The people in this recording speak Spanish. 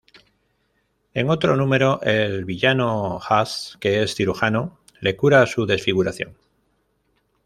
En otro número, el villano Hush, que es cirujano, le cura su desfiguración.